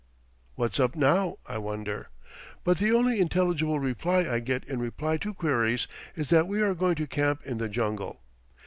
"What's up now?" I wonder; but the only intelligible reply I get in reply to queries is that we are going to camp in the jungle.